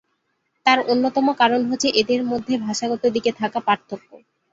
তার অন্যতম কারণ হচ্ছে এদের মধ্যে ভাষাগত দিকে থাকা পার্থক্য।